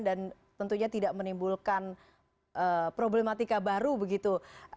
dan tentunya tidak menimbulkan problematika baru begitu